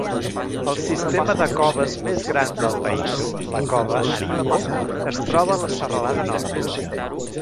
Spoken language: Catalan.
El sistema de coves més gran del país, la cova Aripo, es troba a la Serralada Nord.